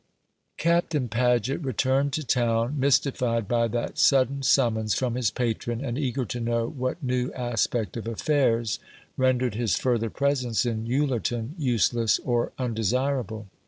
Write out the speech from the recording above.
Captain Paget returned to town, mystified by that sudden summons from his patron, and eager to know what new aspect of affairs rendered his further presence in Ullerton useless or undesirable.